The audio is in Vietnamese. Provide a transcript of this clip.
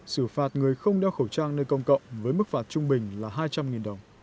xử phạt người không đeo khẩu trang nơi công cộng với mức phạt trung bình là hai trăm linh đồng